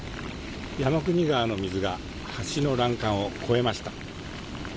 山国川の水が橋の欄干を超えました。